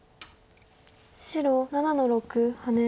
白７の六ハネ。